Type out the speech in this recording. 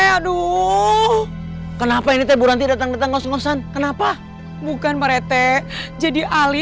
aduh kenapa ini teguranti datang datang ngos ngosan kenapa bukan pak rt jadi ali